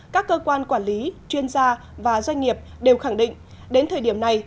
các cơ quan quản lý chuyên gia và doanh nghiệp đều khẳng định đến thời điểm này